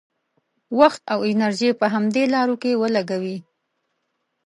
وخت او انرژي په همدې لارو کې ولګوي.